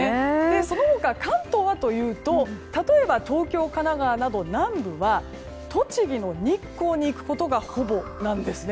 その他、関東はというと例えば、東京、神奈川など南部は栃木の日光に行くことがほぼなんですね。